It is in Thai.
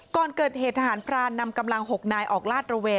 ก่อนเกิดเหตุทหารพรานนำกำลัง๖นายออกลาดระเวน